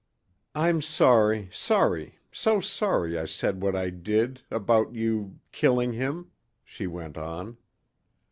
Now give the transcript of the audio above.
"I'm sorry sorry so sorry I said what I did about you killing him," she went on.